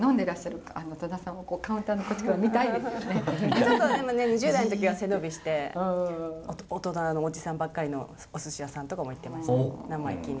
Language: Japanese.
ちょっと２０代の時は背伸びして大人のおじさんばっかりのおすし屋さんとかも行ってました生意気に。